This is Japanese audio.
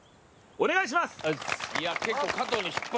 お願いします。